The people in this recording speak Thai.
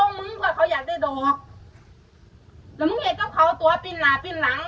มึงเพราะเขาอยากได้ดูแล้วมึงเห็นก็เขาตัวปินหนาปินหลัง